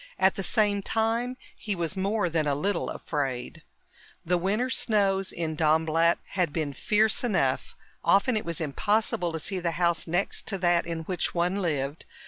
At the same time, he was more than a little afraid. The winter snows in Dornblatt had been fierce enough; often it was impossible to see the house next to that in which one lived.